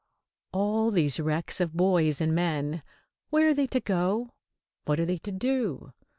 All these wrecks of boys and men, where are they to go? What are they to do?